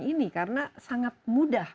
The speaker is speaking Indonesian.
ini karena sangat mudah